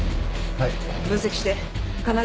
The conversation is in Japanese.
はい。